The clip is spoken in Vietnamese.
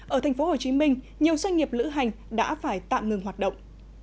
ở tp hcm nhiều doanh nghiệp lữ hành đã phải tạm ngừng hoạt động